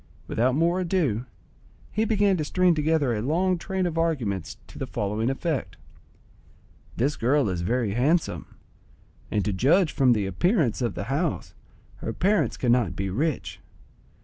Without more ado, he began to string together a long train of arguments to the following effect:—"This girl is very handsome, and to judge from the appearance of the house, her parents cannot be rich.